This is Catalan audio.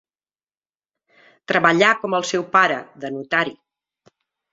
Treballà com el seu pare de notari.